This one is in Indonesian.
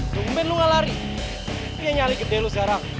dumbin lu gak lari ini yang nyali gede lu sekarang